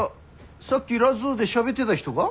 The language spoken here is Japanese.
さっきラジオでしゃべってだ人が？